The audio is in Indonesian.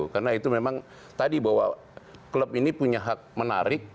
karena itu memang tadi bahwa klub ini punya hak menarik